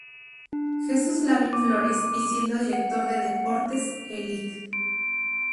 Jesús LavÍn Flores y siendo director de deportes el Lic.